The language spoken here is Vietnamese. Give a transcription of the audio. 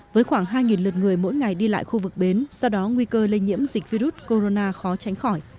với khoảng hai lượt người mỗi ngày đi lại khu vực bến do đó nguy cơ lây nhiễm dịch virus corona khó tránh khỏi